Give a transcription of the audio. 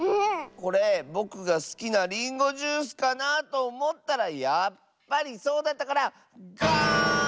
これぼくがすきなリンゴジュースかなとおもったらやっぱりそうだったからガーン！